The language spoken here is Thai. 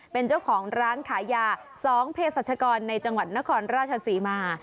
เป็นเจ้าของร้านขายยา๒เพศรัชกรในจังหวัดนครราชศรีมา